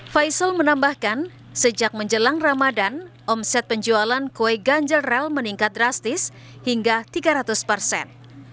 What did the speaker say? faisal menambahkan sejak menjelang ramadan omset penjualan kue ganjel rel meningkat drastis hingga tiga ratus persen